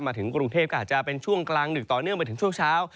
ถึงกรุงเทพก็อาจจะเป็นช่วงกลางดึกต่อเนื่องไปถึงช่วงเช้า